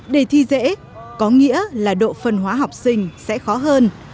đề thi dễ có nghĩa là độ phân hóa học sinh sẽ khó hơn